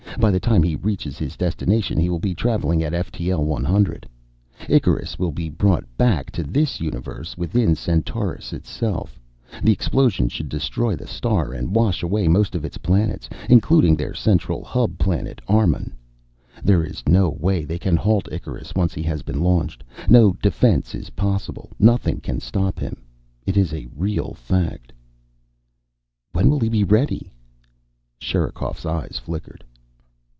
By the time he reaches his destination he will be traveling at ftl 100. Icarus will be brought back to this universe within Centaurus itself. The explosion should destroy the star and wash away most of its planets including their central hub planet, Armun. There is no way they can halt Icarus, once he has been launched. No defense is possible. Nothing can stop him. It is a real fact." "When will he be ready?" Sherikov's eyes flickered.